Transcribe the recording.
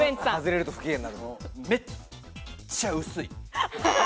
めっちゃ薄い。